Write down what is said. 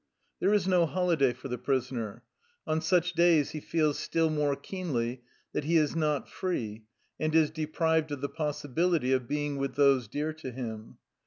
There is no holiday for the prisoner. On such days he feels still more keenly that he is not free and is deprived of the possibility of being with those dear to him.